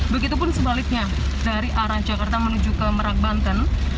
begitupun sebaliknya dari arah jakarta menuju ke merak banten